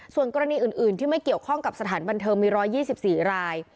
ส่วนกรณีอื่นที่ไม่เกี่ยวข้องกับสถานบันเทิงมี๑๒๔ราย